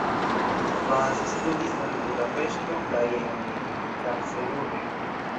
Vass studis en Budapeŝto kaj en Karlsruhe.